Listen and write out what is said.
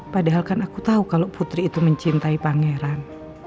padahal kan aku tahu kalau putri itu mencintai pangeran